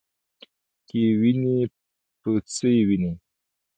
کې وینې په څه یې وینې ؟